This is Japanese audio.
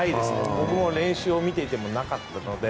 僕も練習を見ていてもなかったので。